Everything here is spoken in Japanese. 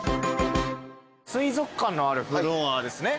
水族館のあるフロアですね。